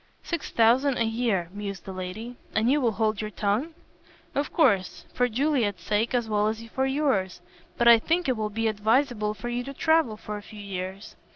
"Six thousand a year," mused the lady, "and you will hold your tongue?" "Of course, for Juliet's sake as well as for yours. But I think it will be advisable for you to travel for a few years."